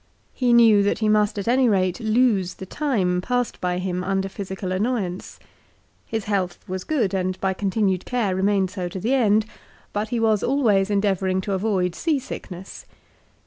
He knew that he must at any rate lose the time passed by him under physical annoyance. His health was good, and by continued care remained so to the end ; but he was always endeavouring to avoid sea sickness.